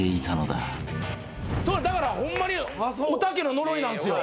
だからホンマにおたけの呪いなんすよ。